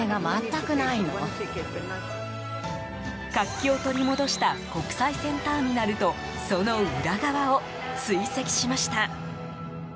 活気を取り戻した国際線ターミナルとその裏側を追跡しました。